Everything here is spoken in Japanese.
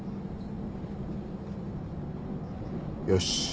よし。